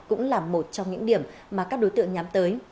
cũng là một trong những điểm mà các đối tượng nhắm tới